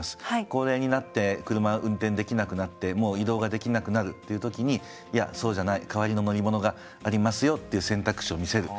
高齢になって車を運転できなくなってもう移動ができなくなるという時にいやそうじゃない代わりの乗り物がありますよっていう選択肢を見せる。